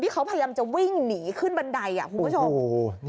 เขาพยายามจะวิ่งหนีขึ้นบันไดคุณผู้ชม